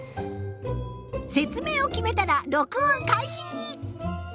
説明を決めたら録音開始！